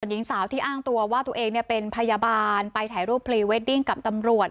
หญิงสาวที่อ้างตัวว่าตัวเองเป็นพยาบาลไปถ่ายรูปพรีเวดดิ้งกับตำรวจ